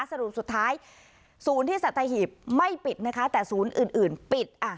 สรุปสุดท้ายศูนย์ที่สัตหีบไม่ปิดนะคะแต่ศูนย์อื่นอื่นปิด